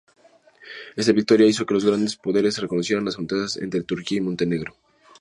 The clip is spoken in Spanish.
Esta victoria hizo que los grandes poderes reconocieran las fronteras entre Turquía y Montenegro.